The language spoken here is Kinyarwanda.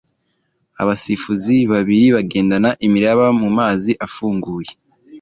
abasifuzi babiri bagendana imiraba mumazi afunguye